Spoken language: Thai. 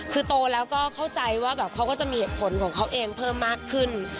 คือโตแล้วก็เข้าใจว่าแบบเขาก็จะมีเหตุผลของเขาเองเพิ่มมากขึ้น